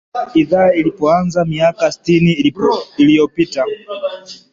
Idhaa ilipoanza miakasitini iliyopita